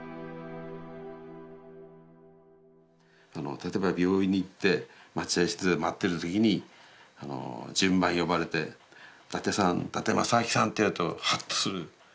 例えば病院に行って待合室で待ってる時に順番呼ばれて「伊達さん伊達政亮さん」って言われるとハッとする。